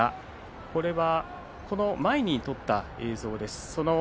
この映像は前に撮った映像です。